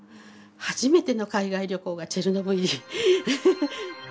初めての海外旅行がチェルノブイリ。